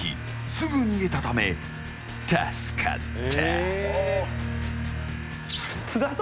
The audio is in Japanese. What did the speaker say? すぐ逃げたため、助かった。